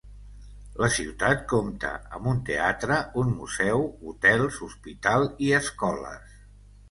La ciutat compta amb un teatre, un museu, hotels, hospital i escoles.